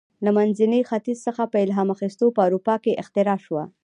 له منځني ختیځ څخه په الهام اخیستو په اروپا کې اختراع شوه.